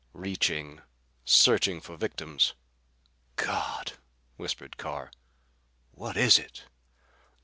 Reaching. Searching for victims! "God!" whispered Carr. "What is it?"